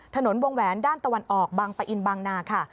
ถนนวงแหวนด้านตะวันออกบางปะอินบางนาค่ะ